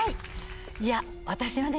いや私はね